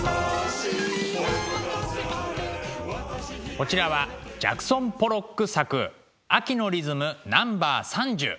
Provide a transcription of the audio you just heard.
こちらはジャクソン・ポロック作「秋のリズム：ナンバー３０」。